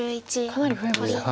かなり増えました。